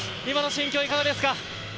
今の心境、いかがですか？